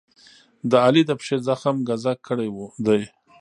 د علي د پښې زخم ګذک کړی دی.